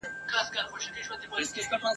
قلم ډک لرم له وینو نظم زما په وینو سور دی ..